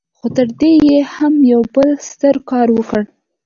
خو تر دې يې هم يو بل ستر کار وکړ.